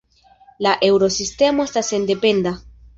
La Eŭrosistemo estas sendependa.